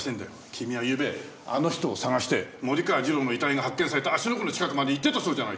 君はゆうべあの人を捜して森川次郎の遺体が発見された芦ノ湖の近くまで行ってたそうじゃないか。